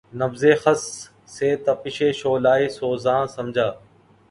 نبضِ خس سے تپشِ شعلہٴ سوزاں سمجھا